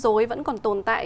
giáo dục vẫn còn tồn tại